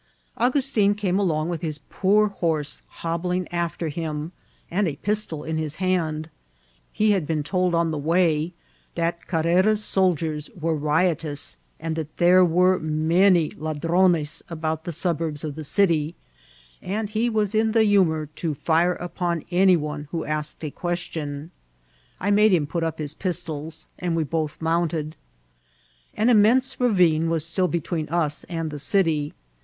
Augustin came along with his poor horse hobbling after him, and a pistol in his hand. He had^been told <m the way that Carrera's soldiers were riotonsi and that there were many ladrones about the soburbe of the city, and he was in the hmnour to fire upon any <me who asked a question. I made him put up his pistols, and we both mounted. An inunense rayine was still between us and the city.